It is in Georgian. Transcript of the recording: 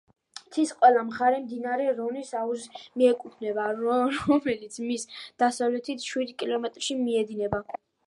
მთის ყველა მხარე მდინარე რონის აუზს მიეკუთვნება, რომელიც მის დასავლეთით, შვიდ კილომეტრში მიედინება.